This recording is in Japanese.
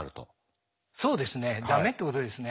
そうですねダメってことですね。